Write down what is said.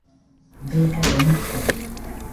Berabe nite